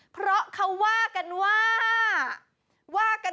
เพราะเขาว่ากันว่า